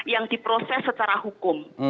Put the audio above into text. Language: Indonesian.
yang diproses secara hukum